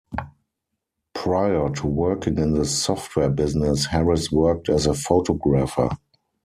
Prior to working in the software business, Harris worked as a photographer.